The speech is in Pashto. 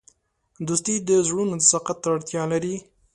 دوستي د زړونو صداقت ته اړتیا لري.